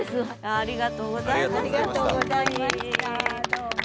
ありがとうございました本当に。